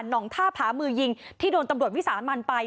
องท่าผามือยิงที่โดนตำรวจวิสามันไป